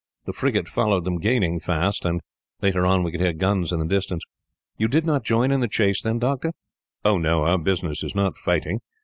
The frigate followed them, gaining fast; and, later on, we could hear guns in the distance." "You did not join in the chase then, doctor?" "Oh, no. Our business is not fighting.